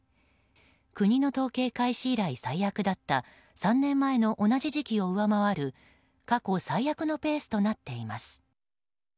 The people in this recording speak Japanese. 国の統計開始以来最悪だった３年前の同じ時期を上回る過去最悪のペースとなっています。